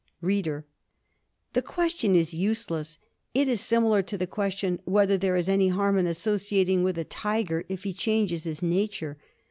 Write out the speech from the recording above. READER: That question is useless. It is similar to the question whether there is any harm in associating with a tiger, if he changes his nature.